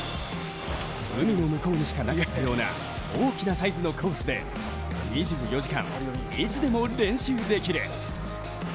海の向こうにしかなかったような大きなサイズのコースで２４時間、いつでも練習できる。